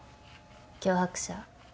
脅迫者。